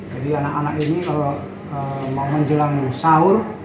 jadi anak anak ini kalau mau menjelang sahur